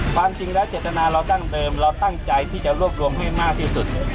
ความจริงแล้วเจตนาเราดั้งเดิมเราตั้งใจที่จะรวบรวมให้มากที่สุด